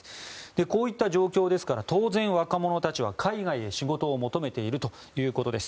こういった状況ですから当然、若者たちは海外に仕事を求めているということです。